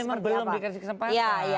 ya memang belum dikasih kesempatan